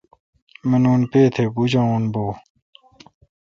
منون پے تھہ بُجاوون بو°